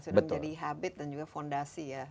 sudah menjadi habit dan juga fondasi ya